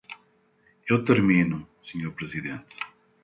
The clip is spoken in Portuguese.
Eu termino, senhor presidente.